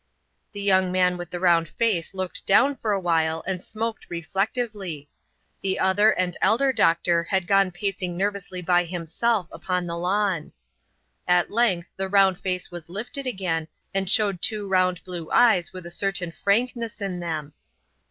The young man with the round face looked down for a little while and smoked reflectively. The other and elder doctor had gone pacing nervously by himself upon the lawn. At length the round face was lifted again, and showed two round blue eyes with a certain frankness in them.